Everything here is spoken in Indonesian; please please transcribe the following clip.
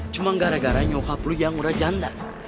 cuma gara gara nyokap lu yang udah janda